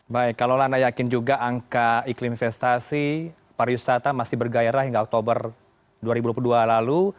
baik kalau anda yakin juga angka iklim investasi pariwisata masih bergairah hingga oktober dua ribu dua puluh dua lalu